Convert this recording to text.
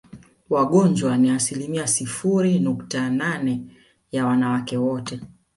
Wagonjwa ni asilimia sifuri nukta nane ya wanawake wote